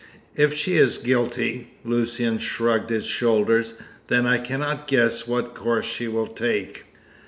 If she is guilty," Lucian shrugged his shoulders, "then I cannot guess what course she will take."